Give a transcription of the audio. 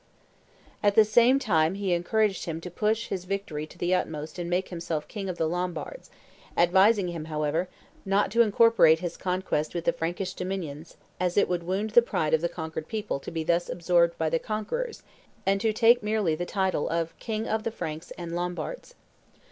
At the same time he encouraged him to push his victory to the utmost and make himself king of the Lombards, advising him, however, not to incorporate his conquest with the Frankish dominions, as it would wound the pride of the conquered people to be thus absorbed by the conquerors, and to take merely the title of "King of the Franks and Lombards."